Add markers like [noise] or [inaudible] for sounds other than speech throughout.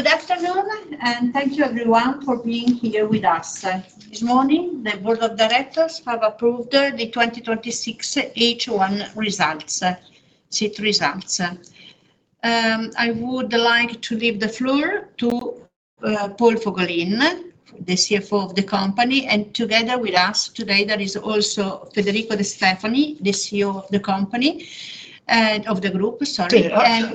Good afternoon, thank you everyone for being here with us. This morning, the Board of Directors have approved the 2026 H1 results, SIT results. I would like to give the floor to Paul Fogolin, the CFO of the company. Together with us today, there is also Federico de' Stefani, the CEO of the group. [audio distortion] Sorry. [audio distortion] Over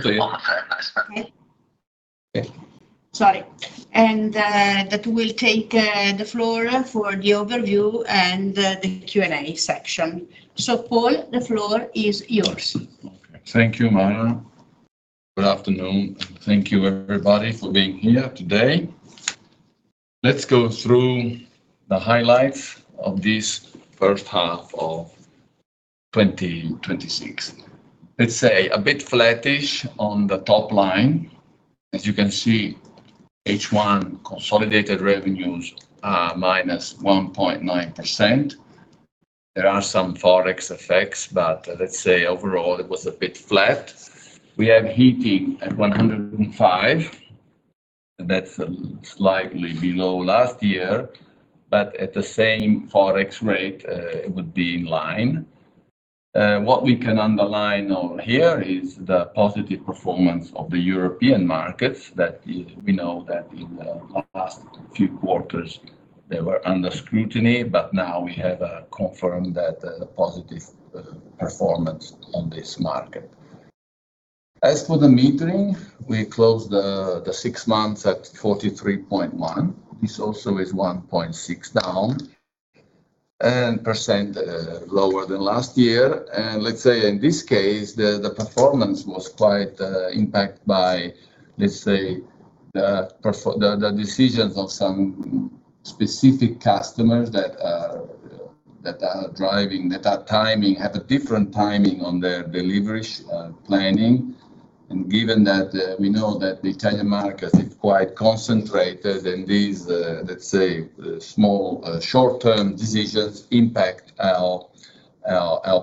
to you. All the time, Sorry. That will take the floor for the overview and the Q&A section. Paul, the floor is yours. Okay. Thank you, Mara. Good afternoon, thank you everybody for being here today. Let's go through the highlights of this first half of 2026. Let's say a bit flattish on the top line. As you can see, H1 consolidated revenues are -1.9%. There are some Forex effects, let's say overall, it was a bit flat. We have heating at 105. That's slightly below last year, at the same Forex rate, it would be in line. What we can underline on here is the positive performance of the European markets that we know that in the last few quarters, they were under scrutiny, now we have confirmed that positive performance on this market. As for the metering, we closed the six months at 43.1. This also is 1.6% down, and lower than last year. let's say in this case, the performance was quite impacted by the decisions of some specific customers that have a different timing on their deliveries planning. Given that we know that the Italian market is quite concentrated and these, let's say, small, short-term decisions impact our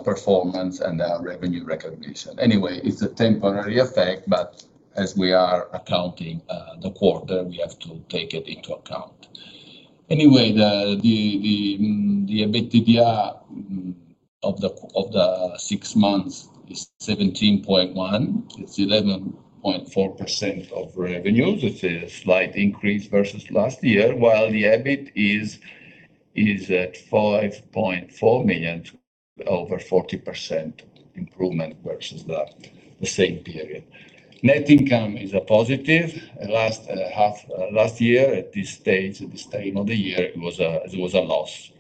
performance and our revenue recognition. It's a temporary effect, but as we are accounting the quarter, we have to take it into account. The EBITDA of the six months is 17.1. It's 11.4% of revenues. It's a slight increase versus last year, while the EBIT is at 5.4 million, over 40% improvement versus the same period. Net income is a positive. Last year at this stage, at this time of the year, it was a loss.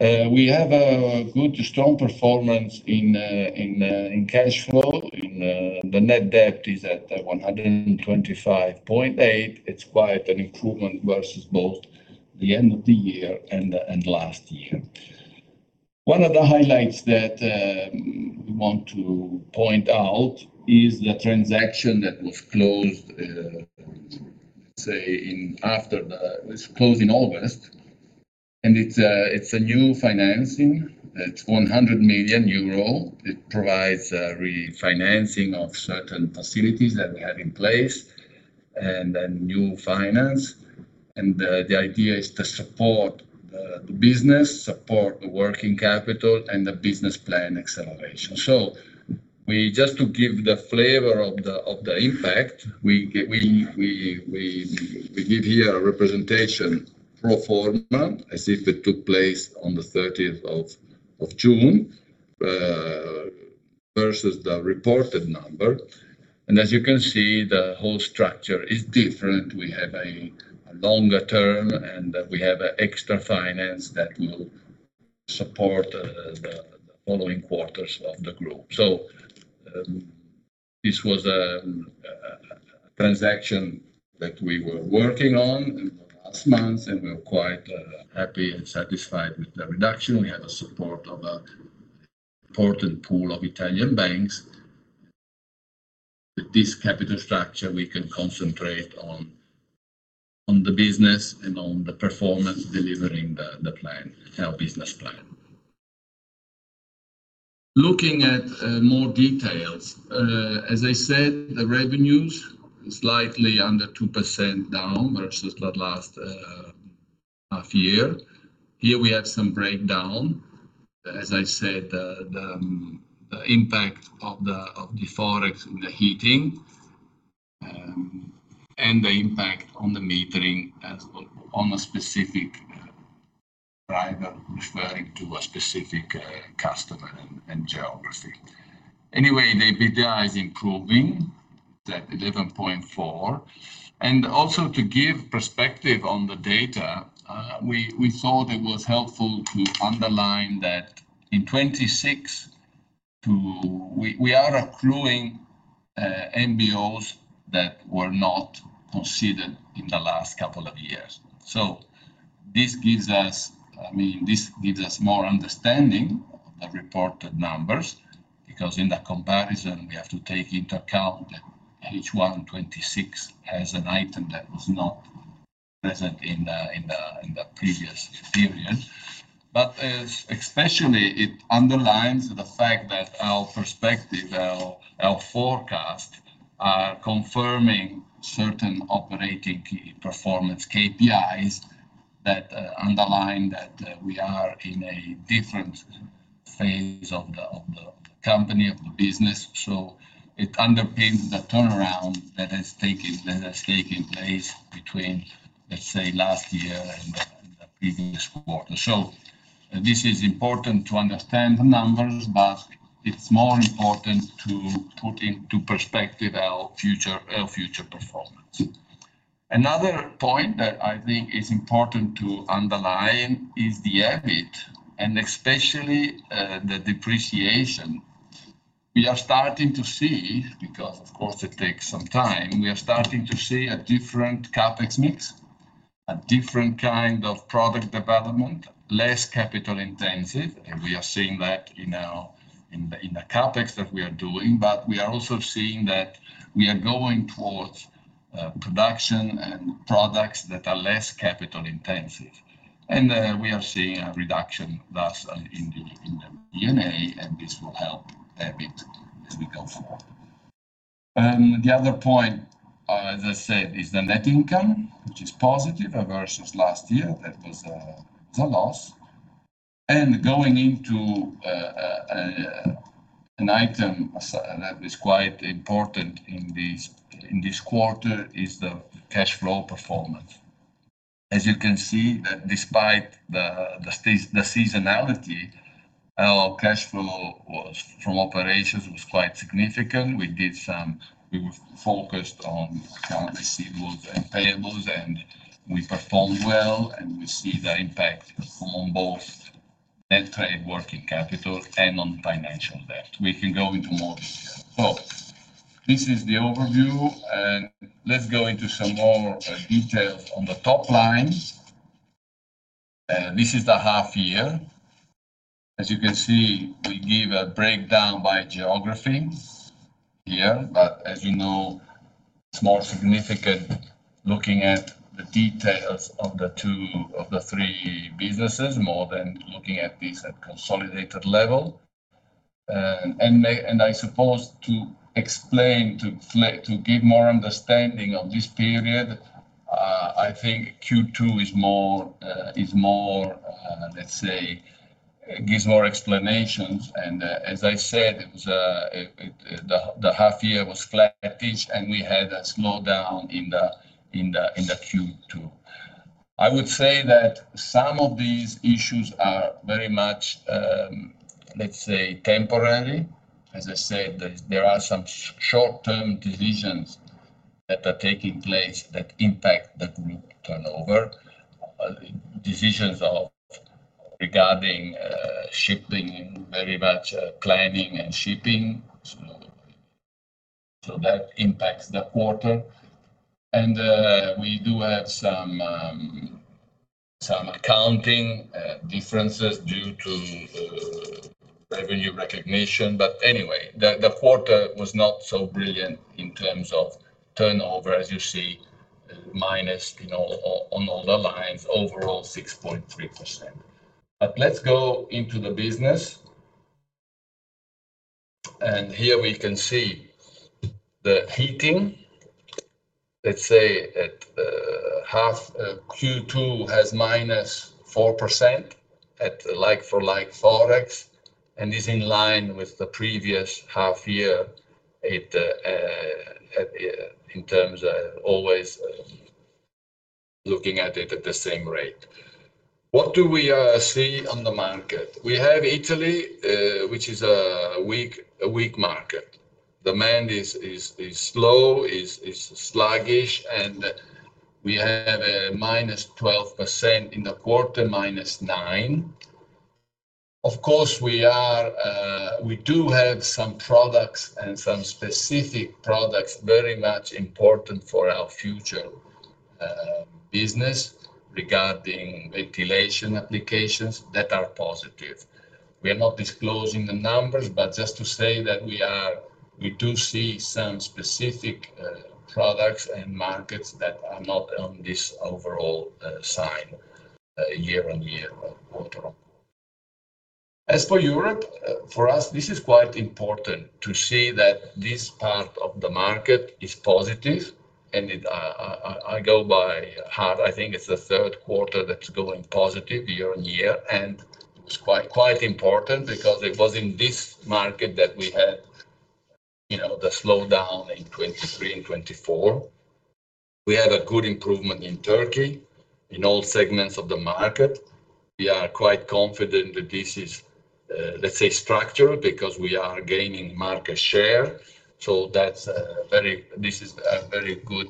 We have a good, strong performance in cash flow, and the net debt is at 125.8. It's quite an improvement versus both the end of the year and last year. One of the highlights that we want to point out is the transaction that was closed in August. It's a new financing. It's 100 million euro. It provides refinancing of certain facilities that we have in place and a new finance. The idea is to support the business, support the working capital, and the business plan acceleration. Just to give the flavor of the impact, we give here a representation pro forma as if it took place on the 30th of June, versus the reported number. As you can see, the whole structure is different. We have a longer term, and we have extra finance that will support the following quarters of the group. This was a transaction that we were working on in the last months, and we're quite happy and satisfied with the reduction. We have the support of the important pool of Italian banks. With this capital structure, we can concentrate on the business and on the performance, delivering our business plan. Looking at more details, as I said, the revenues slightly under 2% down versus the last half year. Here, we have some breakdown. As I said, the impact of the Forex in the heating, and the impact on the metering as on a specific driver referring to a specific customer and geography. The EBITDA is improving at 11.4%. Also, to give perspective on the data, we thought it was helpful to underline that in 2026, we are accruing MBOs that were not considered in the last couple of years. This gives us more understanding of the reported numbers because in the comparison, we have to take into account that H1 2026 has an item that was not present in the previous period. Especially, it underlines the fact that our perspective, our forecast, are confirming certain operating performance, KPIs, that underline that we are in a different phase of the company, of the business. It underpins the turnaround that has taken place between, let's say, last year and the previous quarter. This is important to understand the numbers, but it's more important to put into perspective our future performance. Another point that I think is important to underline is the EBIT and especially the depreciation. We are starting to see, because of course it takes some time, we are starting to see a different CapEx mix, a different kind of product development, less capital intensive. We are seeing that in the CapEx that we are doing. We are also seeing that we are going towards production and products that are less capital intensive. We are seeing a reduction thus in the D&A, and this will help EBIT as we go forward. The other point, as I said, is the net income, which is positive versus last year. That was the loss. Going into an item that is quite important in this quarter is the cash flow performance. As you can see, that despite the seasonality, our cash flow from operations was quite significant. We were focused on account receivables and payables, and we performed well, and we see the impact on both net trade working capital and on financial debt. We can go into more detail. Well, this is the overview. Let's go into some more details on the top line. This is the half year. As you can see, we give a breakdown by geography here. As you know, it's more significant looking at the details of the three businesses, more than looking at this at consolidated level. I suppose to explain, to give more understanding of this period, I think Q2 gives more explanations. As I said, the half year was flattish. We had a slowdown in the Q2. I would say that some of these issues are very much temporary. As I said, there are some short-term decisions that are taking place that impact the group turnover. Decisions regarding shipping, very much planning and shipping, so that impacts the quarter. We do have some accounting differences due to revenue recognition. Anyway, the quarter was not so brilliant in terms of turnover, as you see, minus on all the lines, overall 6.3%. Let's go into the business. Here we can see the heating. Let's say Q2 has -4% at like-for-like Forex, is in line with the previous half year in terms of always looking at it at the same rate. What do we see on the market? We have Italy, which is a weak market. Demand is slow, is sluggish. We have a -12% in the quarter, -9%. Of course, we do have some products and some specific products, very much important for our future business regarding ventilation applications that are positive. We are not disclosing the numbers. Just to say that we do see some specific products and markets that are not on this overall sign year-on-year, quarter-on-quarter. As for Europe, for us, this is quite important to see that this part of the market is positive. I go by heart, I think it's the third quarter that's going positive year-on-year. It was quite important because it was in this market that we had the slowdown in 2023 and 2024. We have a good improvement in Turkey in all segments of the market. We are quite confident that this is, let's say, structural, because we are gaining market share. This is a very good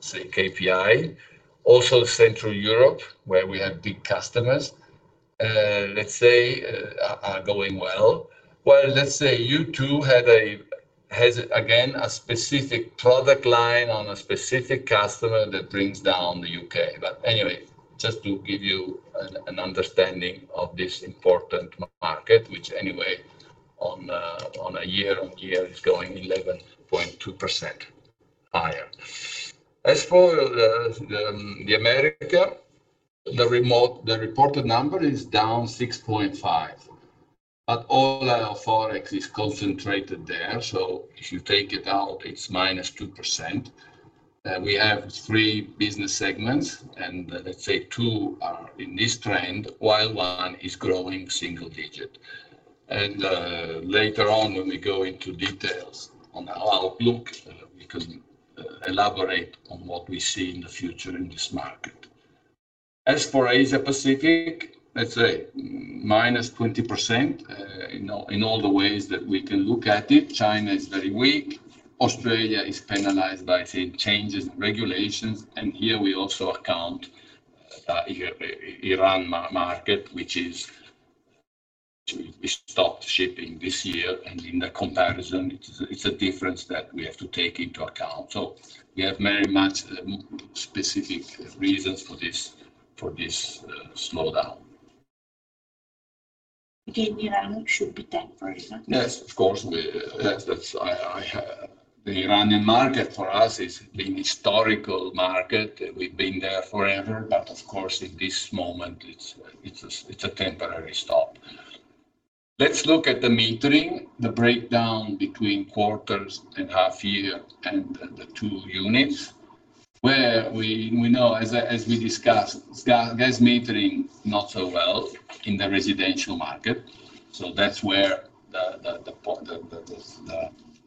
KPI. Also Central Europe, where we have big customers, let's say, are going well. Well, let's say Q2 has, again, a specific product line on a specific customer that brings down the U.K. Anyway, just to give you an understanding of this important market, which anyway, on a year-over-year is going 11.2% higher. As for the America, the reported number is down 6.5%, but all our Forex is concentrated there. If you take it out, it's -2%. We have three business segments, and let's say two are in this trend, while one is growing single-digit. Later on, when we go into details on our outlook, we can elaborate on what we see in the future in this market. As for Asia Pacific, let's say, -20%, in all the ways that we can look at it. China is very weak. Australia is penalized by the changes in regulations. Here we also account Iran market, which we stopped shipping this year. In the comparison, it's a difference that we have to take into account. We have very much specific reasons for this slowdown. Again, Iran should be temporary, right? Yes, of course. The Iranian market for us is the historical market. We've been there forever, but of course, at this moment, it's a temporary stop. Let's look at the metering, the breakdown between quarters and half year and the two units, where we know, as we discussed, gas metering not so well in the residential market. That's where the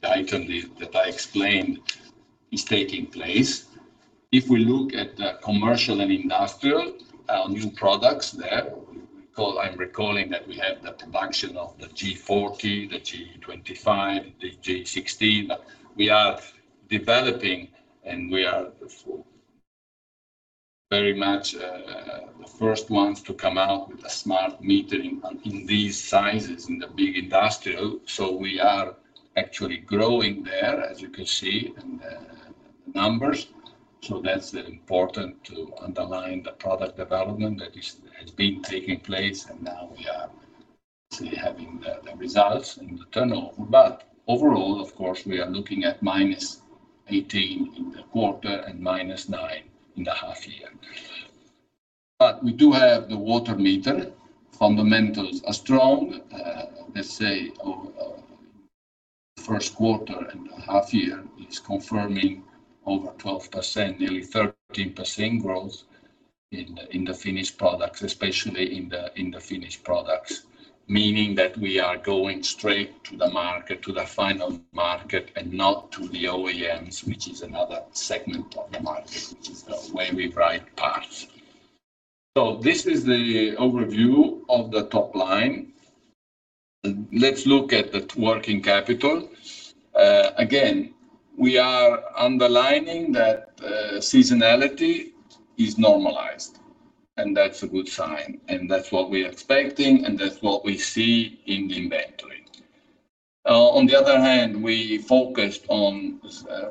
item that I explained is taking place. If we look at the commercial and industrial, our new products there, I'm recalling that we have the production of the G40, the G25, the G60, but we are developing and we are very much the first ones to come out with a smart metering in these sizes, in the big industrial. We are actually growing there, as you can see in the numbers. That's important to underline the product development that has been taking place, and now we are, say, having the results and the turnover. Overall, of course, we are looking at -18 in the quarter and minus nine in the half year. We do have the water meter. Fundamentals are strong. Let's say, first quarter and half year is confirming over 12%, nearly 13% growth in the finished products, especially in the finished products. Meaning that we are going straight to the market, to the final market, and not to the OEMs, which is another segment of the market, which is where we write parts. This is the overview of the top line. Let's look at the working capital. Again, we are underlining that seasonality is normalized, and that's a good sign, and that's what we are expecting, and that's what we see in the inventory. On the other hand, we focused on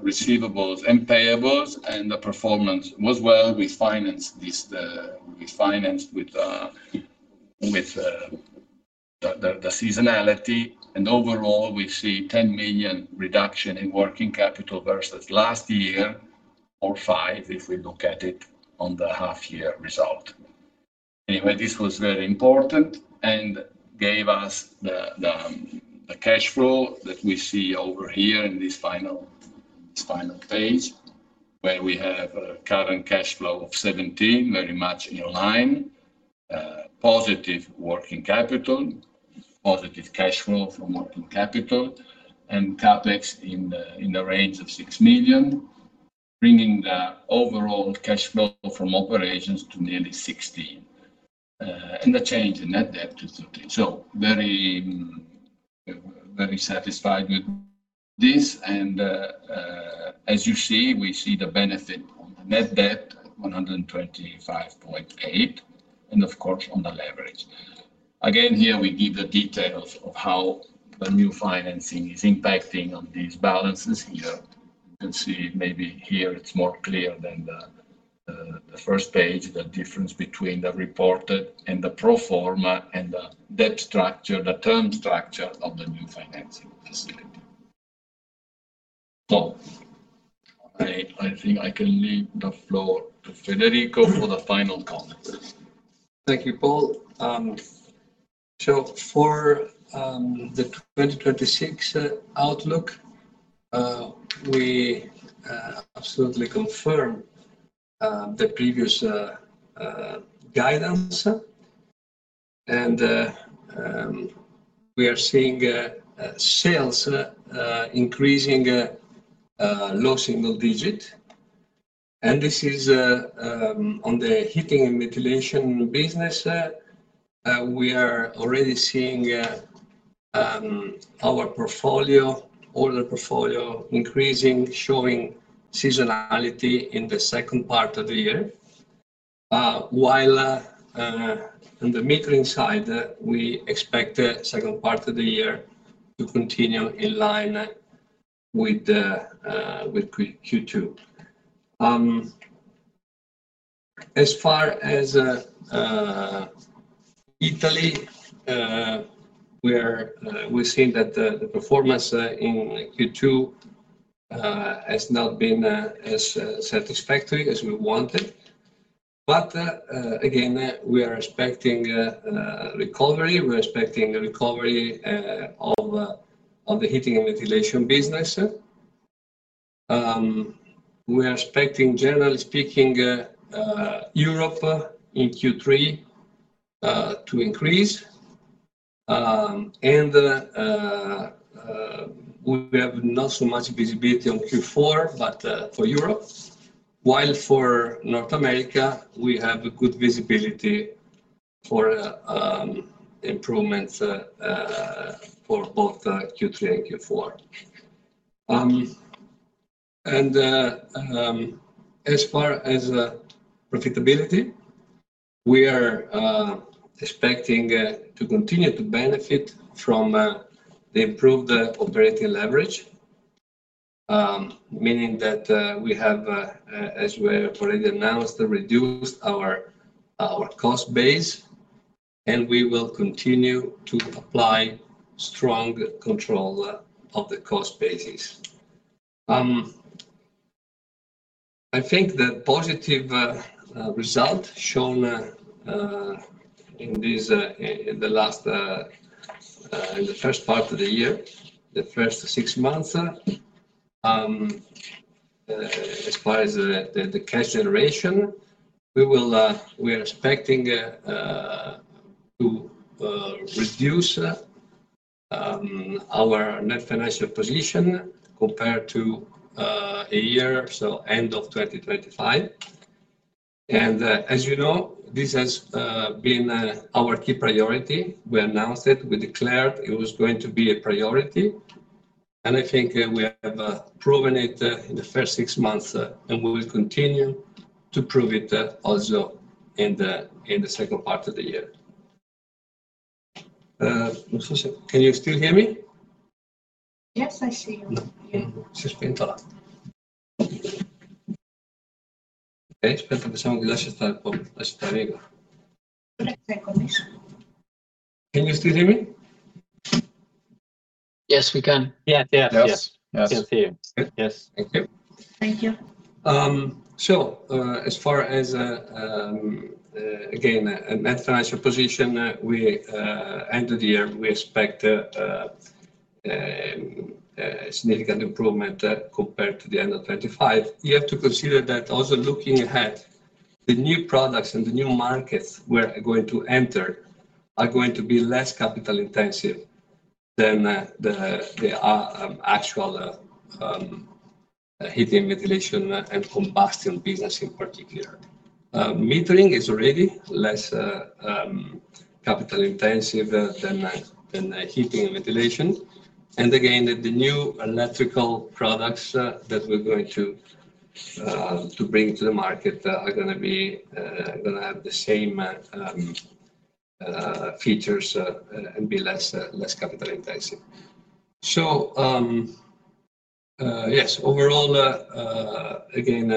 receivables and payables. The performance was well. We financed the seasonality. Overall, we see 10 million reduction in working capital versus last year, or 5 million, if we look at it on the half year result. Anyway, this was very important and gave us the cash flow that we see over here in this final page, where we have a current cash flow of 17 million, very much in line. Positive working capital, positive cash flow from working capital, and CapEx in the range of 6 million, bringing the overall cash flow from operations to nearly 16 million. The change in net debt to 13 million. Very satisfied with this. As you see, we see the benefit on the net debt, 125.8 million, and of course, on the leverage. Again, here we give the details of how the new financing is impacting on these balances here. You can see maybe here it's more clear than the first page, the difference between the reported and the pro forma, and the debt structure, the term structure of the new financing facility. I think I can leave the floor to Federico for the final comments. Thank you, Paul. For the 2026 outlook, we absolutely confirm the previous guidance. We are seeing sales increasing low single digit. This is on the heating and ventilation business. We are already seeing our order portfolio increasing, showing seasonality in the second part of the year. While on the metering side, we expect the second part of the year to continue in line with Q2. As far as Italy, we're seeing that the performance in Q2 has not been as satisfactory as we wanted. Again, we are expecting a recovery. We're expecting a recovery of the heating and ventilation business. We are expecting, generally speaking, Europe in Q3 to increase. We have not so much visibility on Q4, but for Europe, while for North America, we have good visibility for improvements for both Q3 and Q4. As far as profitability, we are expecting to continue to benefit from the improved operating leverage, meaning that we have, as we have already announced, reduced our cost base, and we will continue to apply strong control of the cost basis. I think the positive result shown in the first part of the year, the first six months, as far as the cash generation, we are expecting to reduce our net financial position compared to a year, so end of 2025. As you know, this has been our key priority. We announced it. We declared it was going to be a priority, and I think we have proven it in the first six months, and we will continue to prove it also in the second part of the year. Can you still hear me? Yes, I see you. Can you still hear me? Yes, we can. Yes. Yes. Thank you. Thank you. As far as, again, net financial position, we end the year, we expect a significant improvement compared to the end of 2025. You have to consider that also looking ahead, the new products and the new markets we're going to enter are going to be less capital-intensive than the actual heating, ventilation, and combustion business in particular. Metering is already less capital-intensive than heating and ventilation. Again, the new electrical products that we're going to bring to the market are going to have the same features, and be less capital-intensive. Yes, overall, again,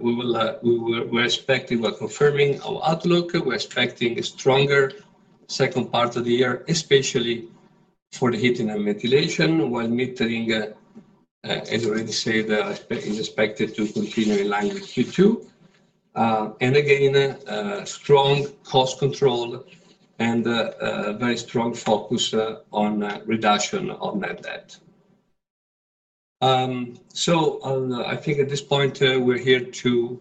we're expecting, we're confirming our outlook. We're expecting a stronger second part of the year, especially for the heating and ventilation, while metering, as I already said, is expected to continue in line with Q2. Again, strong cost control and a very strong focus on reduction on net debt. I think at this point, we're here to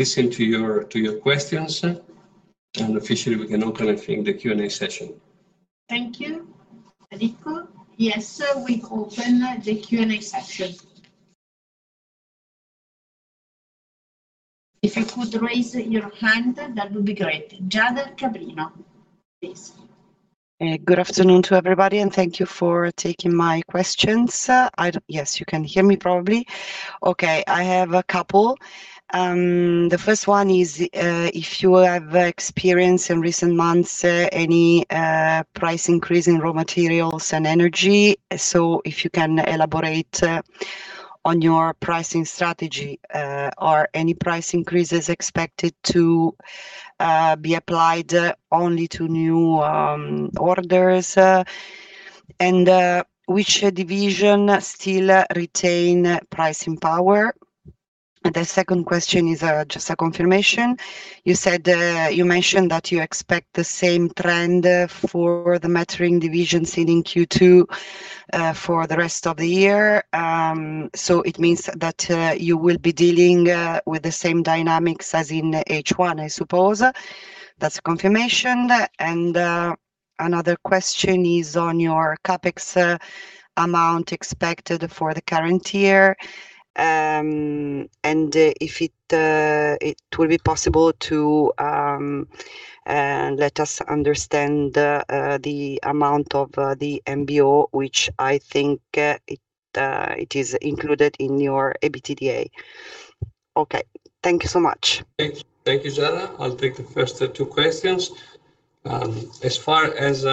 listen to your questions, and officially, we can open, I think, the Q&A session. Thank you, Federico. Yes, we open the Q&A session. If you could raise your hand, that would be great. Giada Cabrino, please. Good afternoon to everybody, and thank you for taking my questions. Yes, you can hear me probably. Okay. I have a couple. The first one is, if you have experience in recent months, any price increase in raw materials and energy. If you can elaborate on your pricing strategy. Are any price increases expected to be applied only to new orders? Which division still retain pricing power? The second question is just a confirmation. You mentioned that you expect the same trend for the metering division seen in Q2 for the rest of the year. It means that you will be dealing with the same dynamics as in H1, I suppose. That's a confirmation. Another question is on your CapEx amount expected for the current year, and if it will be possible to let us understand the amount of the MBO, which I think it is included in your EBITDA. Okay. Thank you so much. Thank you, Giada. I'll take the first two questions. As far as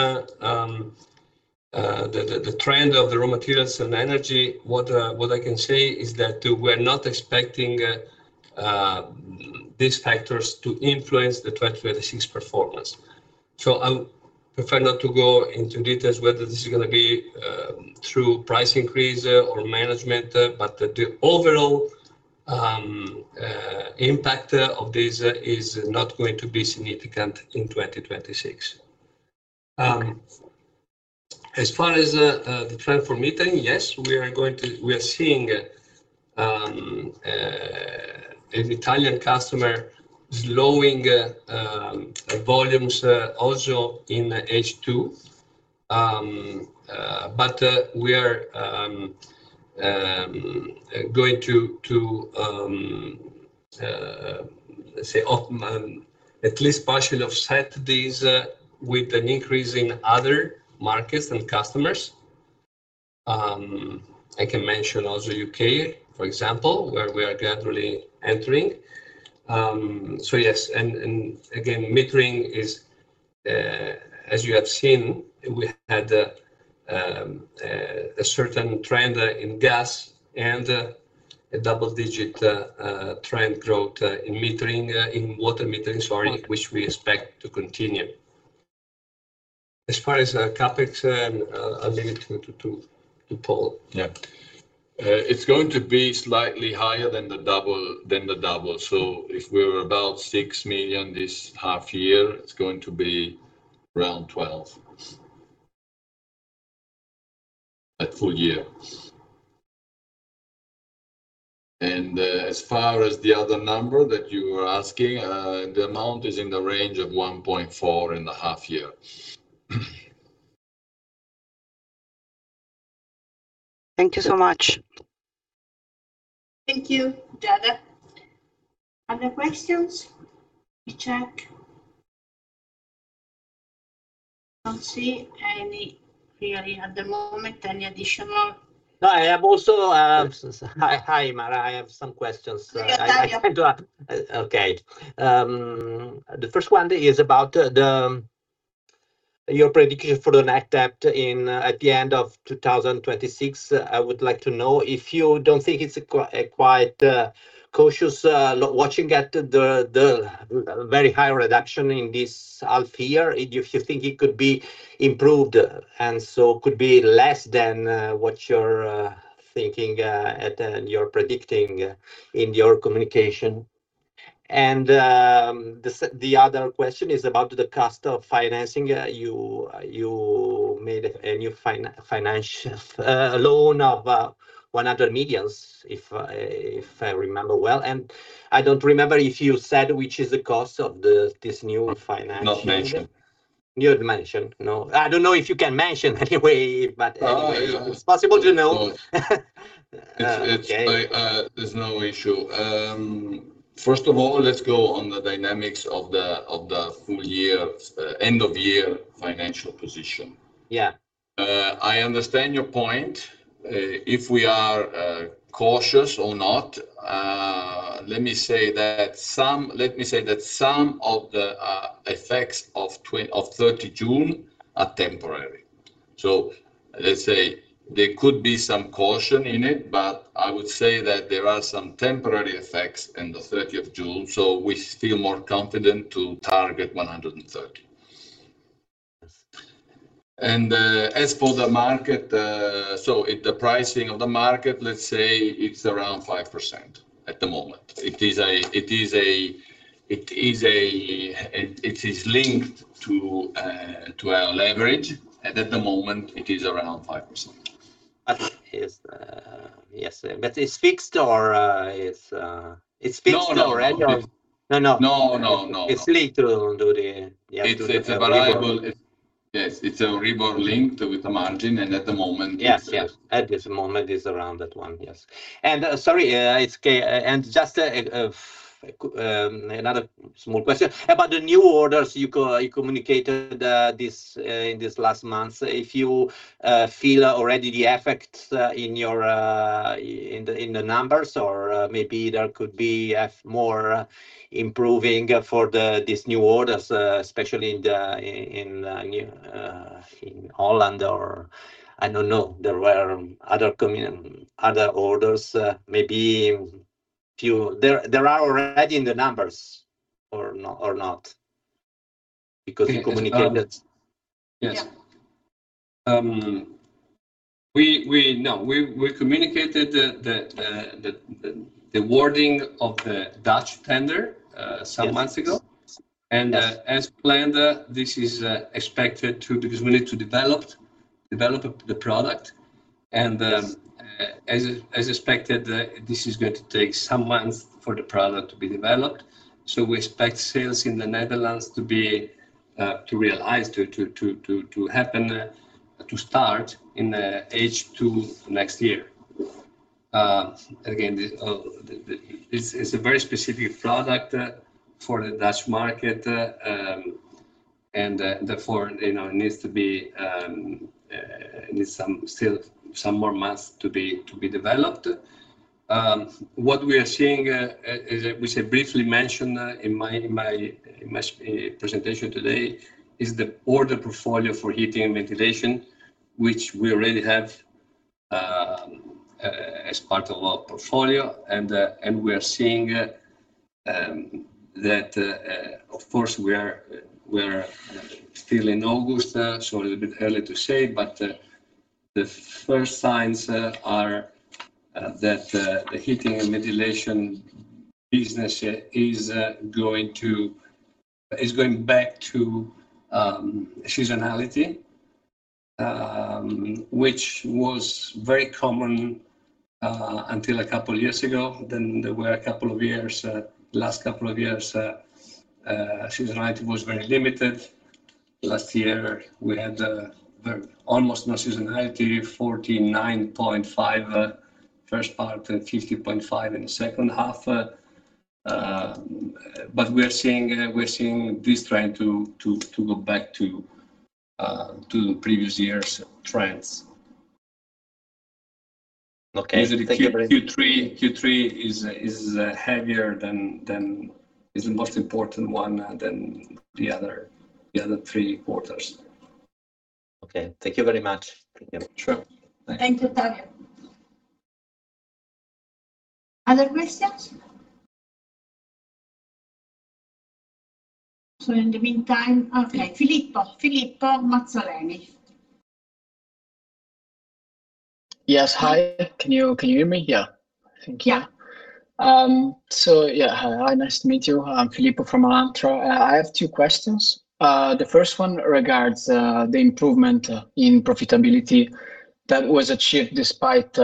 the trend of the raw materials and energy, what I can say is that we're not expecting these factors to influence the 2026 performance. I would prefer not to go into details whether this is going to be through price increase or management, but the overall impact of this is not going to be significant in 2026. As far as the trend for metering, yes, we are seeing an Italian customer slowing volumes also in H2. We are going to at least partially offset this with an increase in other markets and customers. I can mention also U.K., for example, where we are gradually entering. Yes, metering is, as you have seen, we had a certain trend in gas and a double-digit trend growth in water metering, sorry, which we expect to continue. As far as CapEx, I'll leave it to Paul. It's going to be slightly higher than the double. If we were about 6 million this half year, it's going to be around 12 million at full year. As far as the other number that you were asking, the amount is in the range of 1.4 million in the half year. Thank you so much. Thank you, Giada. Other questions? Let me check. I don't see any really at the moment. Any additional. No, I have also Hi, Mara. I have some questions. Hi, Dario. Okay. The first one is about your prediction for the net debt at the end of 2026. I would like to know if you don't think it's quite cautious, watching at the very high reduction in this half year, if you think it could be improved, and so could be less than what you're thinking and you're predicting in your communication. The other question is about the cost of financing. You made a new financial loan of 100 million, if I remember well, and I don't remember if you said which is the cost of this new financing. Not mentioned. You had mentioned? No. I don't know if you can mention anyway, but anyway. Oh, yes. It's possible to know? Okay. There's no issue. First of all, let's go on the dynamics of the full year, end of year financial position. Yeah. I understand your point. If we are cautious or not, let me say that some of the effects of 30 June are temporary. Let's say there could be some caution in it, but I would say that there are some temporary effects in the 30th of June, so we feel more confident to target 130. As for the market, so the pricing of the market, let's say it's around 5% at the moment. It is linked to our leverage, and at the moment it is around 5%. Yes. It's fixed or? No, no. It's fixed already or? No, no. No, no. It's linked to the Yeah. It's a variable. Yes, it's a Euribor link with the margin. Yes. At this moment, it's around that one. Yes. Sorry, it's okay. Just another small question. About the new orders you communicated in this last month, if you feel already the effects in the numbers or maybe there could be more improving for these new orders, especially in Holland or, I don't know, there were other orders. They're already in the numbers or not? Because you communicated. Yes. Yeah. We communicated the awarding of the Dutch tender some months ago. Yes. As planned, this is expected to Because we need to develop the product, and as expected, this is going to take some months for the product to be developed. We expect sales in the Netherlands to realize, to happen, to start in H2 next year. Again, it's a very specific product for the Dutch market, and therefore, it needs still some more months to be developed. What we are seeing, as I briefly mentioned in my presentation today, is the order portfolio for Heating and Ventilation, which we already have as part of our portfolio. We are seeing that, of course, we're still in August, a little bit early to say, but the first signs are that the Heating and Ventilation business is going back to seasonality, which was very common until a couple of years ago. There were last couple of years, seasonality was very limited. Last year, we had almost no seasonality, 49.5 first part and 50.5 in the second half. We're seeing this trend to go back to the previous year's trends. Okay. Thank you very much. Usually Q3 is heavier is the most important one than the other three quarters. Okay. Thank you very much. Sure. Thank you, Dario. Other questions? In the meantime Okay. Filippo. Filippo Mazzoleni. Yes. Hi. Can you hear me? Yeah, I think yeah. Yeah. Hi, nice to meet you. I'm Filippo from Alantra. I have two questions. The first one regards the improvement in profitability that was achieved despite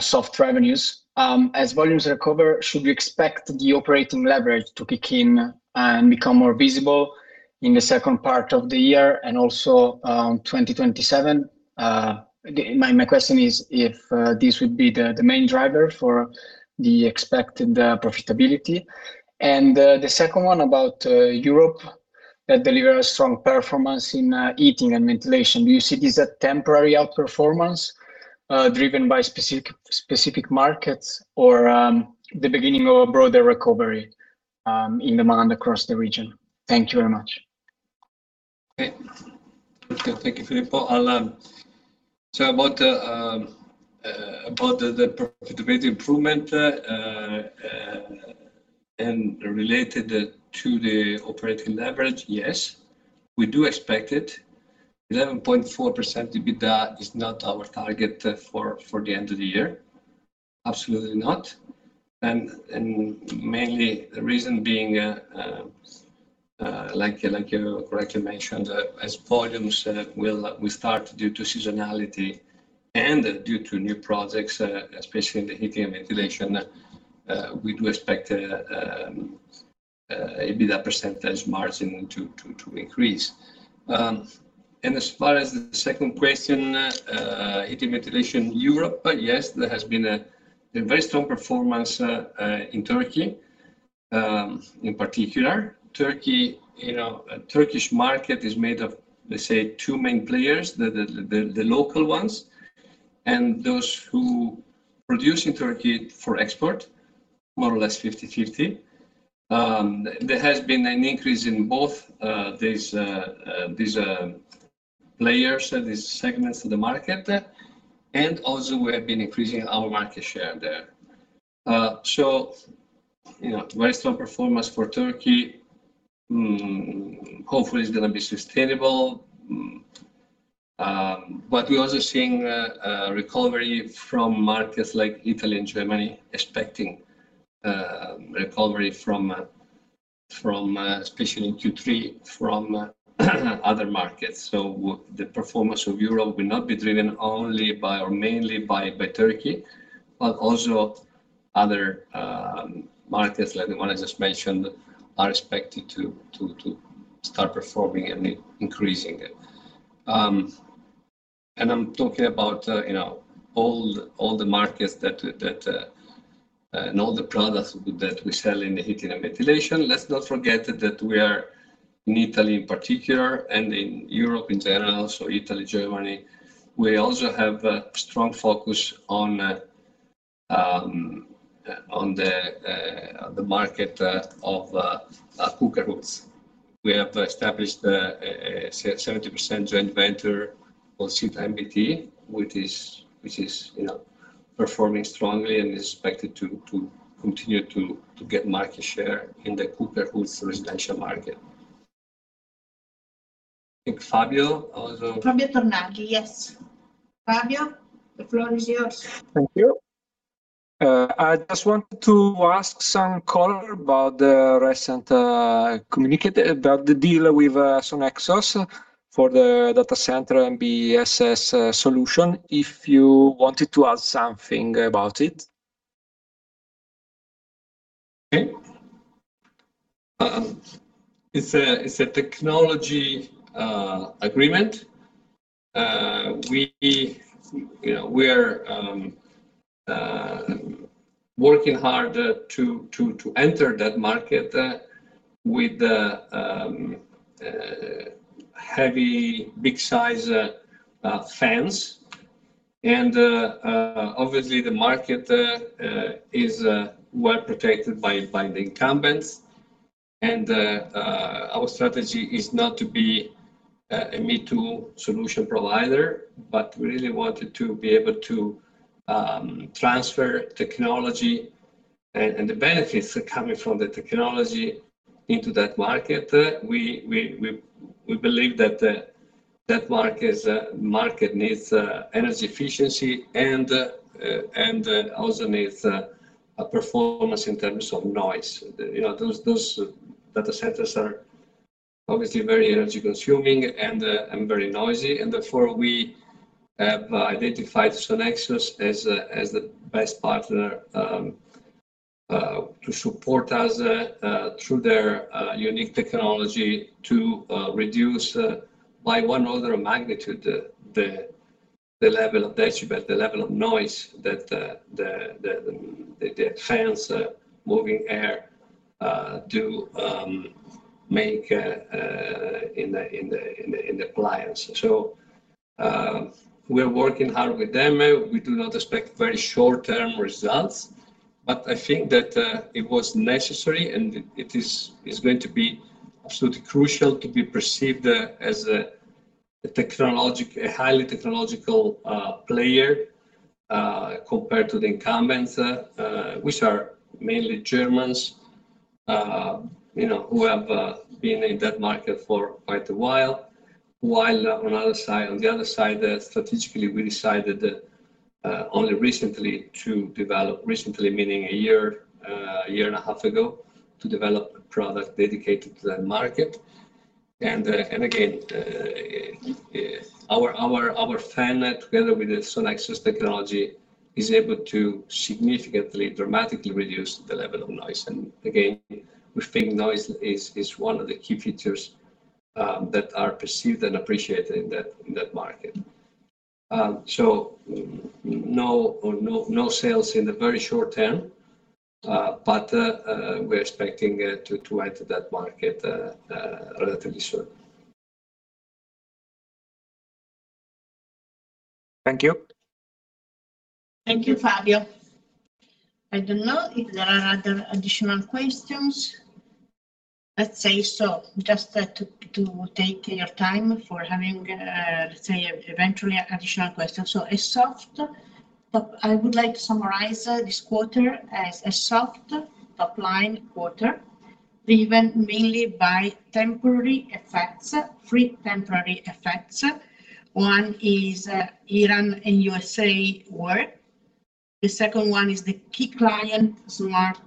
soft revenues. As volumes recover, should we expect the operating leverage to kick in and become more visible in the second part of the year and also 2027? My question is if this would be the main driver for the expected profitability. The second one about Europe that delivered a strong performance in heating and ventilation. Do you see this a temporary outperformance driven by specific markets or the beginning of a broader recovery in demand across the region? Thank you very much. Okay. Thank you, Filippo. About the profitability improvement, related to the operating leverage. Yes, we do expect it. 11.4% EBITDA is not our target for the end of the year, absolutely not. Mainly the reason being, like you correctly mentioned, as volumes will restart due to seasonality and due to new projects, especially in the heating and ventilation, we do expect EBITDA percentage margin to increase. As far as the second question, heating, ventilation, Europe. Yes, there has been a very strong performance in Turkey, in particular. Turkish market is made of, let's say, two main players, the local ones and those who produce in Turkey for export, more or less 50/50. There has been an increase in both these players, these segments of the market, and also we have been increasing our market share there. Very strong performance for Turkey. Hopefully, it's going to be sustainable. We're also seeing recovery from markets like Italy and Germany, expecting recovery, especially in Q3, from other markets. The performance of Europe will not be driven only by, or mainly by Turkey, but also other markets like the one I just mentioned, are expected to start performing and increasing. I'm talking about all the markets and all the products that we sell in the heating and ventilation. Let's not forget that we are, in Italy in particular and in Europe in general, Italy, Germany, we also have a strong focus on the market of cooker hoods. We have established a 70% joint venture called SIT MBT, which is performing strongly and is expected to continue to get market share in the cooker hoods residential market. I think Fabio also. Fabio Tornaghi. Yes. Fabio, the floor is yours. Thank you. I just wanted to ask some color about the recent communique about the deal with Sonaxus for the data center and BSS solution, if you wanted to add something about it. Okay. It's a technology agreement. We're working hard to enter that market with heavy, big size fans. Obviously the market is well protected by the incumbents, and our strategy is not to be a me-too solution provider, but we really wanted to be able to transfer technology and the benefits coming from the technology into that market. We believe that that market needs energy efficiency and also needs a performance in terms of noise. Those data centers are obviously very energy-consuming and very noisy, therefore we have identified Sonaxus as the best partner to support us through their unique technology to reduce, by one order of magnitude, the decibel, the level of noise that the fans moving air do make in the appliance. We are working hard with them. We do not expect very short-term results, but I think that it was necessary, and it is going to be absolutely crucial to be perceived as a highly technological player compared to the incumbents, which are mainly Germans, who have been in that market for quite a while. While on the other side, strategically, we decided only recently to develop, recently meaning a year and a half ago, to develop a product dedicated to that market. Again, our fan, together with the Sonaxus technology, is able to significantly, dramatically reduce the level of noise. Again, we think noise is one of the key features that are perceived and appreciated in that market. No sales in the very short term, but we're expecting to enter that market relatively soon. Thank you. Thank you, Fabio. I don't know if there are other additional questions. Let's say so, just to take your time for having, let's say, eventually additional questions. I would like to summarize this quarter as a soft top-line quarter, driven mainly by temporary effects, three temporary effects. One is Iran and USA war. The second one is the key client, smart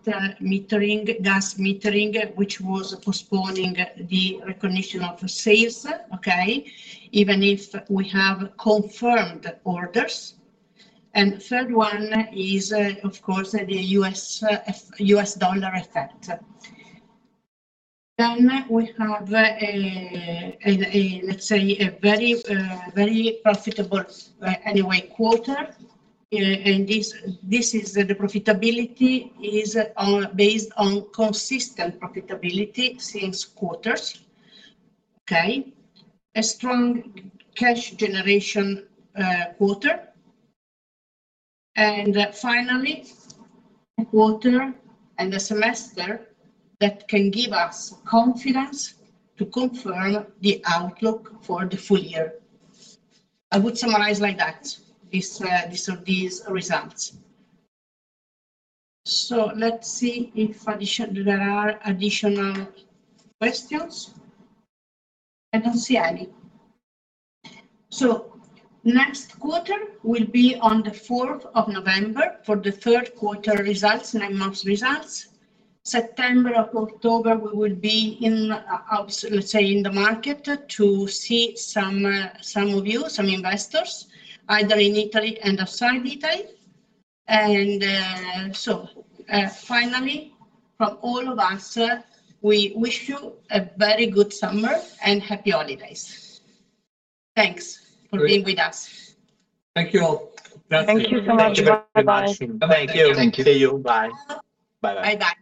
metering, gas metering, which was postponing the recognition of sales, okay, even if we have confirmed orders. Third one is, of course, the U.S. dollar effect. We have, let's say, a very profitable quarter. This is the profitability is based on consistent profitability since quarters. Okay. A strong cash generation quarter. Finally, a quarter and a semester that can give us confidence to confirm the outlook for the full year. I would summarize like that, these results. Let's see if there are additional questions. I don't see any. Next quarter will be on the 4th of November for the third quarter results, nine months results. September or October, we will be in, let's say, in the market to see some of you, some investors, either in Italy and outside Italy. Finally, from all of us, we wish you a very good summer and happy holidays. Thanks for being with us. Thank you all. Thank you so much. Bye-bye. Thank you. Thank you. See you. Bye. Bye-bye. Bye-bye